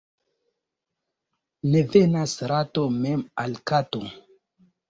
Ne venas rato mem al kato.